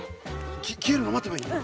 消えるの待てばいいの？